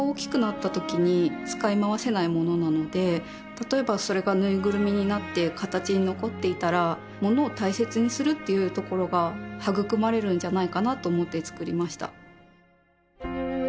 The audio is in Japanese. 例えばそれがぬいぐるみになって形に残っていたらものを大切にするっていうところが育まれるんじゃないかなと思って作りました